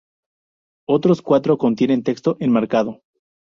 Otros cuatro contienen texto enmarcado.